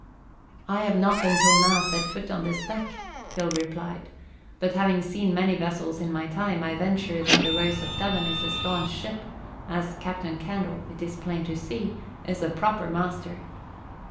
"I have not until now set foot on this deck," Phil replied. "But having seen many vessels in my time, I venture that the Rose of Devon is a staunch ship, as Captain Candle, it is plain to see, is a proper master."